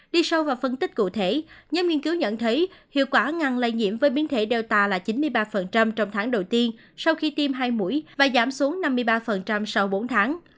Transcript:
đi sâu vào phân tích cụ thể nhóm nghiên cứu nhận thấy hiệu quả ngăn lây nhiễm với biến thể data là chín mươi ba trong tháng đầu tiên sau khi tiêm hai mũi và giảm xuống năm mươi ba sau bốn tháng